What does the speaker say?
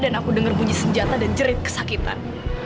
dan aku dengar bunyi senjata dan jerit kesakitan